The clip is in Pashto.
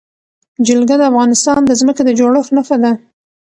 جلګه د افغانستان د ځمکې د جوړښت نښه ده.